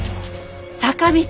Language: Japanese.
坂道！